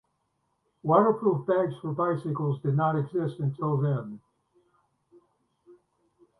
Waterproof bags for bicycles did not exist until then.